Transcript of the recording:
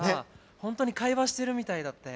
本当に会話してるみたいだったよね。